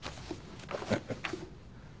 ハハハ。